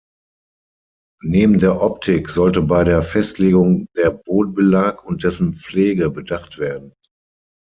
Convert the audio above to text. Neben der Optik sollte bei der Festlegung der Bodenbelag und dessen Pflege bedacht werden.